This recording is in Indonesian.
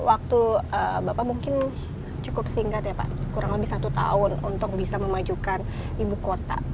waktu bapak mungkin cukup singkat ya pak kurang lebih satu tahun untuk bisa memajukan ibu kota